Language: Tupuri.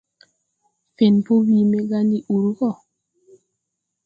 Fẽn po wii me gá ndi ur gɔ.